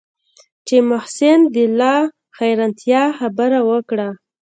چې محسن د لا حيرانتيا خبره وکړه.